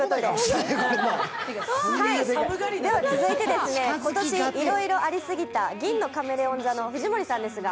続いて、今年、いろいろありすぎた銀のカメレオン座の藤森さん。